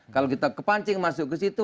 kalau kita kepancing masuk ke situ